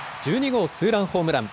１２号ツーランホームラン。